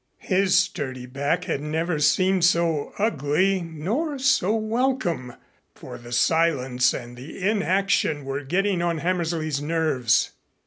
His sturdy back had never seemed so ugly nor so welcome, for the silence and the inaction were getting on Hammersley's nerves.